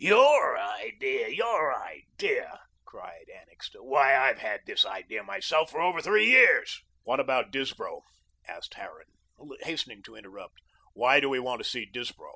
"Your idea, YOUR idea!" cried Annixter. "Why, I've had this idea myself for over three years." "What about Disbrow?" asked Harran, hastening to interrupt. "Why do we want to see Disbrow?"